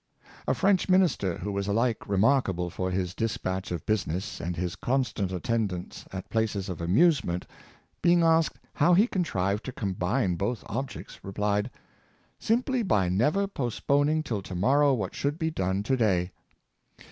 A French minister, who was alike remarkable for his dispatch of business and his constant attendance at Promptitude, 367 places of amusement, being asked how he contrived to combine both objects, repHed, " Simply by never post poning till to morrow what should be done to day."